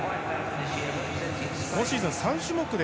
今シーズン３種目で